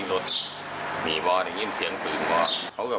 ส่งมาขอความช่วยเหลือจากเพื่อนครับ